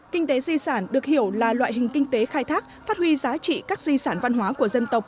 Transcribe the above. kinh tế di sản được hiểu là loại hình kinh tế khai thác phát huy giá trị các di sản văn hóa của dân tộc